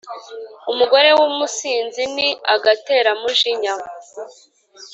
Umugore w’umusinzi ni agateramujinya,